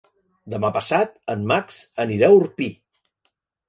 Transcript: Demà passat en Max anirà a Orpí.